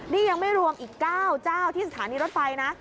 นี่ยังไม่รวมอีก๙เจ้าที่สถานีรถไฟนะ